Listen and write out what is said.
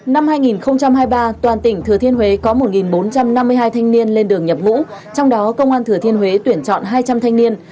năm hai nghìn hai mươi ba toàn tỉnh thừa thiên huế có một bốn trăm năm mươi hai thanh niên lên đường nhập ngũ trong đó công an thừa thiên huế tuyển chọn hai trăm linh thanh niên